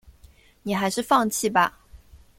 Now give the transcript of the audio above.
你还是放弃吧